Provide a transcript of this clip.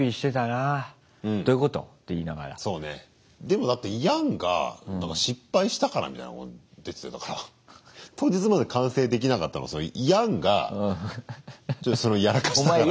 でもだってヤンが失敗したからみたいなこと出てたから当日まで完成できなかったのはヤンがそれをやらかしたから。